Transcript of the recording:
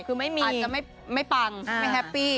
คืออาจจะไม่ปังไม่แฮปปี้